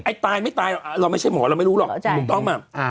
ไอ้ตายไม่ตายเราไม่ใช่หมอเราไม่รู้หรอกต้องมา